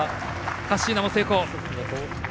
カッシーナも成功。